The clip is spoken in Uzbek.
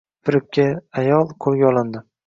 Firibgar ayol qo‘lga olinding